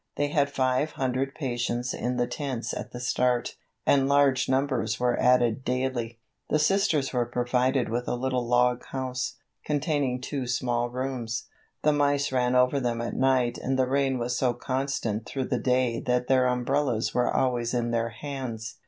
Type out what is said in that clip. They had five hundred patients in the tents at the start, and large numbers were added daily. The Sisters were provided with a little log house, containing two small rooms. The mice ran over them at night and the rain was so constant through the day that their umbrellas were always in their hands.